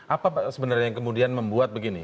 apa sebenarnya yang kemudian membuat begini